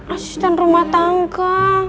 asisten rumah tangga